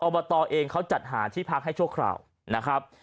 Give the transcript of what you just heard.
บตเองเขาจัดหาที่พักให้ชั่วคราวนะครับ